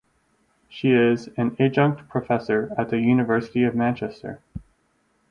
She is an adjunct professor at the University of Manchester.